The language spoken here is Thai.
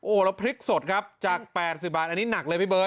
แล้วพริกสดครับจาก๘๐บาทอันนี้หนักเลยพี่เบิร์